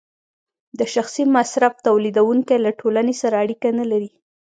د شخصي مصرف تولیدونکی له ټولنې سره اړیکه نلري